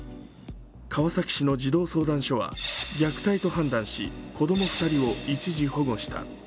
川崎市の児童相談所は虐待と判断し、子供２人を一時保護した。